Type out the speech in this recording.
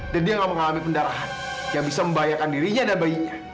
dan dia enggak mengalami pendarahan yang bisa membahayakan dirinya dan bayinya